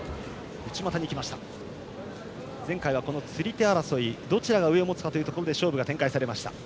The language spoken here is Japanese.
前回は釣り手争いどちらが上を持つかというところで試合が展開されました。